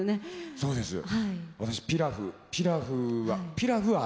そうですか。